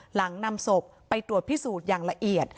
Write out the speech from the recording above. หลังนำศพไปตรวจพิสูจน์อย่างละเอียด